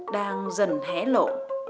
đang dần hé lộ